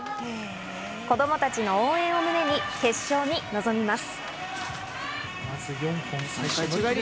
子供たちの応援を胸に決勝に臨みます。